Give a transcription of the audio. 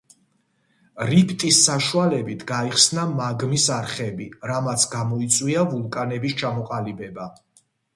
რიფტის საშუალებით გაიხსნა მაგმის არხები, რამაც გამოიწვია ვულკანების ჩამოყალიბება.